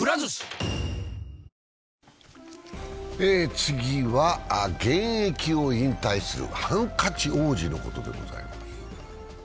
次は現役を引退するハンカチ王子のことでございます。